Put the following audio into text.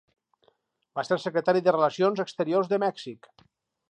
Va ser Secretari de Relacions Exteriors de Mèxic.